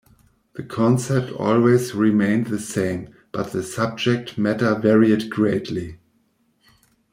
The concept always remained the same, but the subject matter varied greatly.